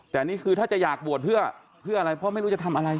แต่นี่คือถ้าจะอยากบวชเพื่ออะไรเพราะไม่รู้จะทำอะไร